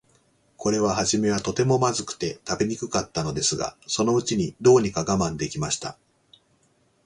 これははじめは、とても、まずくて食べにくかったのですが、そのうちに、どうにか我慢できました。